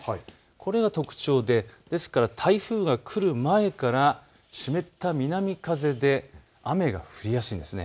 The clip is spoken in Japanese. これが特徴で台風が来る前から湿った南風で雨が降りやすいんです。